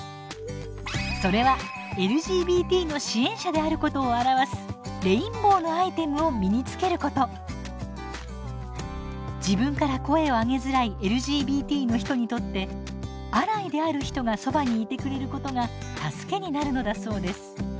それはＬＧＢＴの支援者であることを表す自分から声をあげづらいＬＧＢＴの人にとってアライである人がそばにいてくれることが助けになるのだそうです。